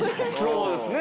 そうですね。